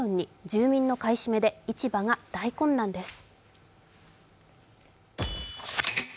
住民の買い占めで市場が大混乱です。